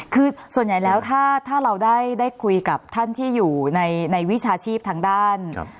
คือส่วนใหญ่แล้วถ้าเราได้คุยกับท่านที่อยู่ในวิชาชีพทางด้าน